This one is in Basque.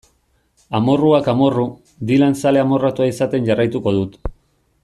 Amorruak amorru, Dylan zale amorratua izaten jarraituko dut.